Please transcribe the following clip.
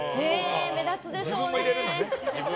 目立つでしょうね。